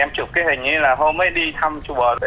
em chụp cái hình ấy là hôm ấy đi thăm chùa